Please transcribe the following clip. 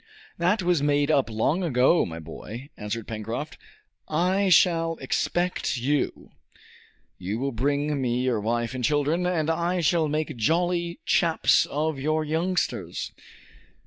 "That was made up long ago, my boy," answered Pencroft. "I shall expect you. You will bring me your wife and children, and I shall make jolly chaps of your youngsters!"